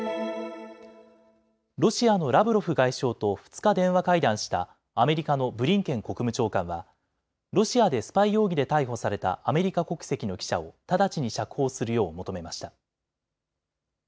ロシアのラブロフ外相と２日、電話会談したアメリカのブリンケン国務長官はロシアでスパイ容疑で逮捕されたアメリカ国籍の記者を直ちに釈放するよう求めました。